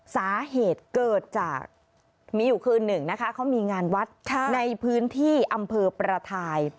สาเหตุเกิดจากมีอยู่คืนหนึ่งนะคะเขามีงานวัดในพื้นที่อำเภอประทาย